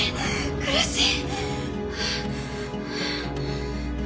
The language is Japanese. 苦しい。